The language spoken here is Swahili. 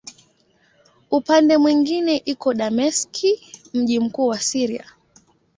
Upande mwingine iko Dameski, mji mkuu wa Syria.